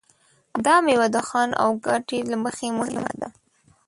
دا مېوه د خوند او ګټې له مخې مهمه ده.